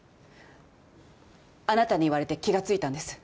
あなたに言われて気が付いたんです。